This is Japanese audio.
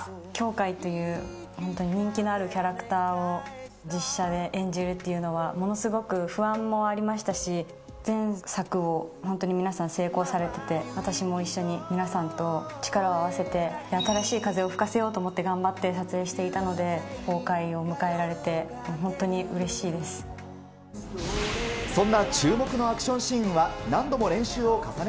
羌かいという、本当に人気のあるキャラクターを実写で演じるっていうのは、ものすごく不安もありましたし、前作も本当に皆さん成功されてて、私も一緒に皆さんと力を合わせて新しい風を吹かせようと思って、頑張って撮影していたので、公開を迎えられて、本当にうれしそんな注目のアクションシー